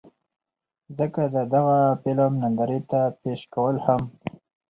ځکه د دغه فلم نندارې ته پېش کول هم